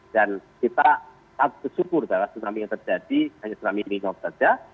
dan kita tak bersyukur bahwa tsunami yang terjadi hanya tsunami ini saja